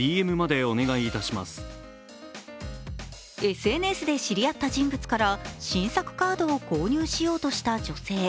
ＳＮＳで知り合った人物から新作カードを購入しようとした女性。